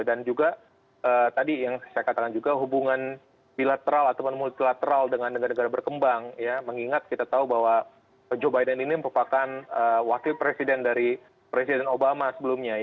dan juga tadi yang saya katakan juga hubungan bilateral atau multilateral dengan negara negara berkembang mengingat kita tahu bahwa joe biden ini merupakan wakil presiden dari presiden obama sebelumnya